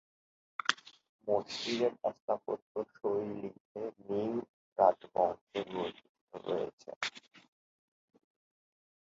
মসজিদের স্থাপত্যশৈলীতে মিং রাজবংশের বৈশিষ্ট্য রয়েছে।